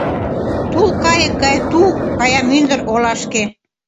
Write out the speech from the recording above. Тул-кайык гай ТУ кая мӱндыр олашке.